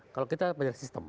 kalau kita pada sistem